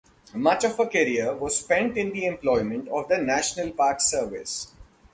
Much of her career was spent in the employment of the National Park Service.